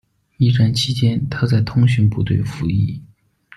一战期间，他在通讯部队服役。